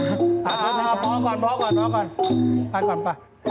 ขอโทษนะจ๊ะพอพอ